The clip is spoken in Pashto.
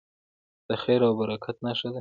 د خیر او برکت نښه ده.